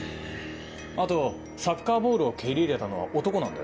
あとサッカーボールを蹴り入れたのは男なんだよ。